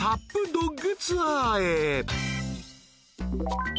ドッグツアーへ］